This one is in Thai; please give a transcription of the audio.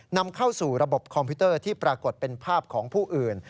นำเข้าสู่ระบบคอมพิวเตอร์ที่ปรากฏเป็นภาพของผู้อื่น